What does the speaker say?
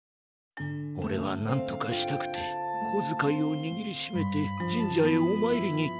おれはなんとかしたくてこづかいをにぎりしめて神社へお参りに行った。